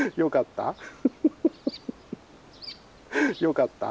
よかった？